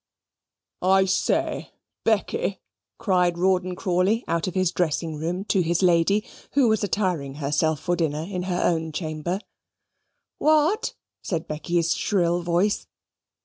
"I say, Becky," cried Rawdon Crawley out of his dressing room, to his lady, who was attiring herself for dinner in her own chamber. "What?" said Becky's shrill voice.